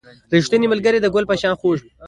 • ریښتینی ملګری د ګل په شان خوږ وي.